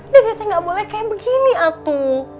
dedete gak boleh kayak begini atu